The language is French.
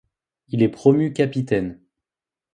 Il est promu capitaine.